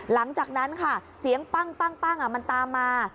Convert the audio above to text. หลังจากนั้นค่ะเสียงปั้งมันตามมา